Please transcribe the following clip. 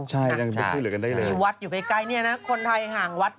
มีวัดอยู่ไว้ใกล้คนไทยห่างวัด